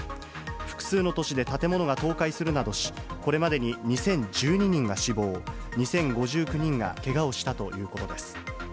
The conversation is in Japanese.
複数の都市で建物が倒壊するなどし、これまでに２０１２人が死亡、２０５９人がけがをしたということです。